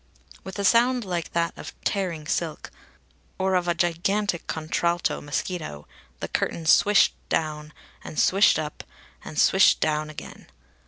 With a sound like that of tearing silk, or of a gigantic contralto mosquito, the curtain swished down, and swished up, and swished down again.